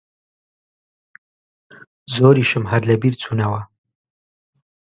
زۆریشم هەر لەبیر چوونەوە